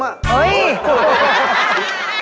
เอ๊ย